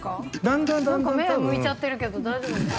何か目むいちゃってるけど大丈夫ですか？